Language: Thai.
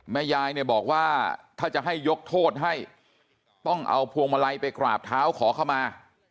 แม่ยายเนี่ยบอกว่าถ้าจะให้ยกโทษให้ต้องเอาพวงมาลัยไปกราบเท้าขอเข้ามา